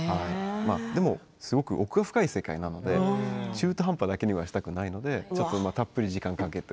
でも、すごく奥深い世界なので中途半端だけにはしたくないのでたっぷり時間をかけて。